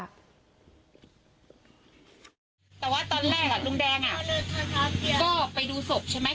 แต่ว่าตอนแรกลุงแดงก็ไปดูศพใช่ไหม